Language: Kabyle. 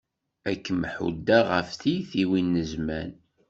Ad kem-ḥuddeɣ ɣef tyitwin n zzman.